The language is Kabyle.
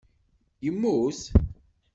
Immut?